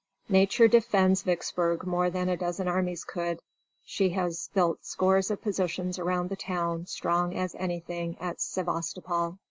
Nature defends Vicksburg more than a dozen armies could. She has built scores of positions around the town strong as anything at Sevastapol."